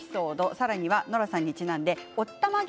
さらにはノラさんにちなんでおったまげ！